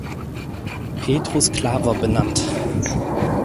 Petrus Claver benannt.